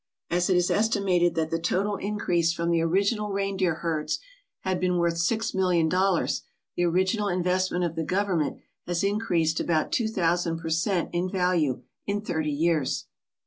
As it is estimated that the total increase from the original reindeer herds has been worth six million dollars, the original investment of the Government has increased about two thousand per cent, in value in thirty years.